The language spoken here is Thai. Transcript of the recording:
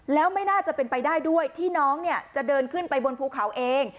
แล้วไม่น่าจะเป็นไปได้ด้วยที่น้องเนี่ยจะเดินขึ้นไปบนภูเขาเอง